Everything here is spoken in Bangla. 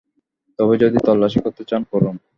তবে যদি তল্লাশি করতে চান করুন।